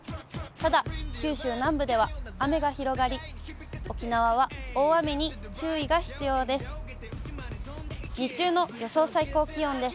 ただ、九州南部では雨が広がり、沖縄は大雨に注意が必要です。